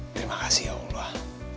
terima kasih ya allah